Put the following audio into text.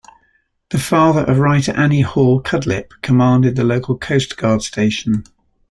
The father of writer Annie Hall Cudlip commanded the local Coastguard station.